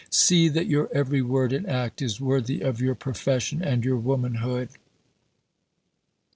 See that your every word and act is worthy of your profession and your womanhood."